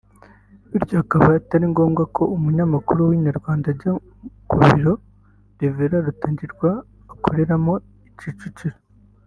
bityo akaba atari ngombwa ko umunyamakuru wa Inyarwanda ajya ku biro Rev Rurangirwa akoreramo i Kicukiro